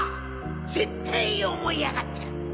絶対思い上がってる！